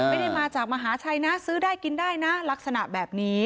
ไม่ได้มาจากมหาชัยนะซื้อได้กินได้นะลักษณะแบบนี้